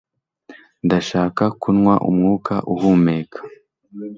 Ndashaka kunwa umwuka uhumeka